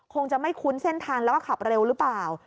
คงจะไม่คุ้นเส้นทางแล้วก็ขับเร็วหรือเปล่า